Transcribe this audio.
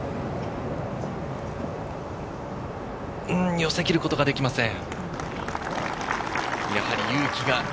寄せきることができません。